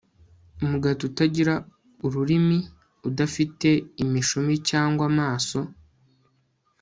Umugati utagira ururimi udafite imishumi cyangwa amaso